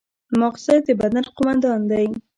ماغزه د بدن قوماندان دی